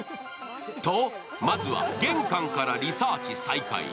と、まずは玄関からリサーチ再開。